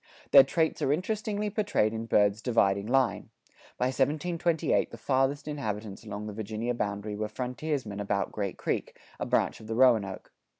Their traits are interestingly portrayed in Byrd's "Dividing Line." By 1728 the farthest inhabitants along the Virginia boundary were frontiersmen about Great Creek, a branch of the Roanoke.